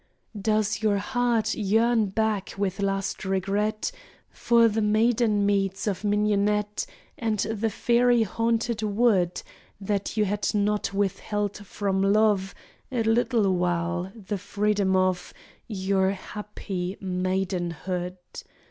Does your heart yearn back with last regret For the maiden meads of mignonette And the fairy haunted wood, That you had not withheld from love, A little while, the freedom of Your happy maidenhood?